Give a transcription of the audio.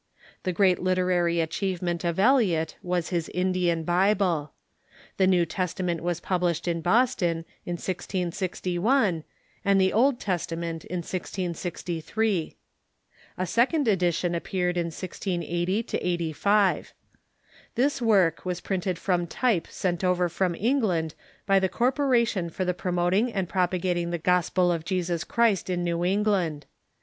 The great literary achievement of Eliot was his Indian Bible. The New Testament was published in Boston, in 1061, and the Old Testament in 1663. A second edition appeared in 1680 85. This work was printed from type sent over from England by the Corporation for the Promoting and Propagating the Gos pel of Jesus Christ in New England.